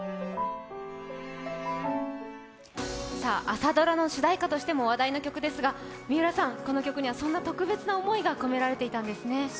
朝ドラの主題歌としても話題の曲ですが三浦さん、この曲にはそんな特別な思いが込められていたんですね。